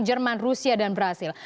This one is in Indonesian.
jerman rusia dan brazil